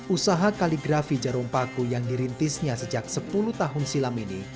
usaha kaligrafi jarum paku yang dirintisnya sejak sepuluh tahun silam ini